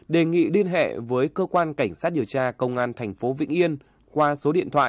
đề nghị liên hệ với cơ quan cảnh sát điều tra công an tp vn qua số điện thoại chín trăm sáu mươi chín ba trăm năm mươi năm sáu trăm bảy mươi tám